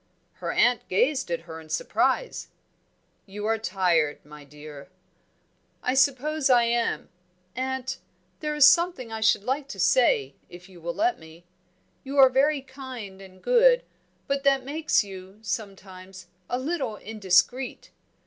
Her aunt gazed at her in surprise. "You are tired, my dear." "I suppose I am Aunt, there is something I should like to say, if you will let me. You are very kind and good, but that makes you, sometimes, a little indiscreet.